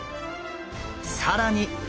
更に！